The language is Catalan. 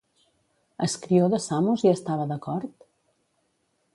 Escrió de Samos hi estava d'acord?